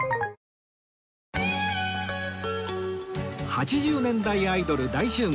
８０年代アイドル大集合！